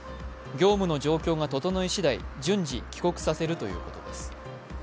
業務の状況が整いしだい順次、帰国させるということです。